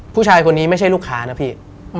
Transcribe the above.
ผู้ชายคนนี้ไม่ใช่ลูกค้านะพี่